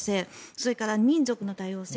それから民族の多様性